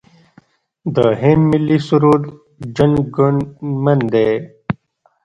د هند ملي سرود جن ګن من دی.